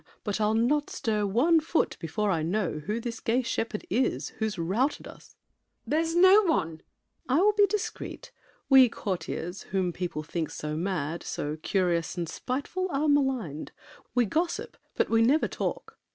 But I'll not stir one foot before I know Who this gay shepherd is, who's routed us! MARION. There's no one! SAVERNY. I will be discreet. We courtiers, Whom people think so mad, so curious And spiteful, are maligned. We gossip, but We never talk!